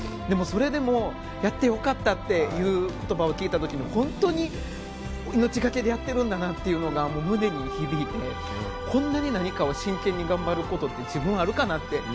でも、それでもやって良かったっていう言葉を聞いた時に本当に命がけでやっているだなというのが胸に響いて、こんなに何かを真剣に頑張ることって自分あるかなって。